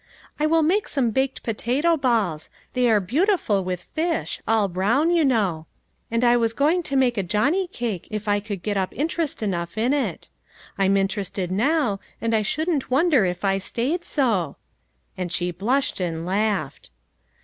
I will make some baked po tato balls, they are beautiful with fish ; all brown, you know ; and I was going to make a johnny cake if I could get up interest enough in it. I'm interested now, and I shouldn't wonder if I staid so," and she blushed and laughed.